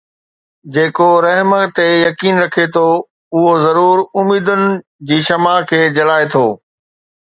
جيڪو رحم تي يقين رکي ٿو، اهو ضرور اميدن جي شمع کي جلائي ٿو